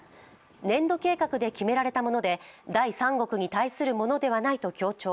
年度計画で決められたもので第三国に対するものではないと強調。